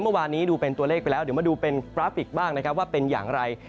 เมื่อวานนี้ดูเป็นตัวเลขไปแล้วเดี๋ยวมาดูเป็นกราฟิกบ้างนะครับว่าเป็นอย่างไร